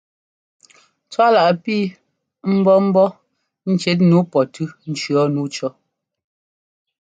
Tswálaʼ pii mbɔ́ ŋ́bɔ́ ŋ́cít nǔu pɔtʉ́ ŋ́cʉ̈ nǔu cʉ̈.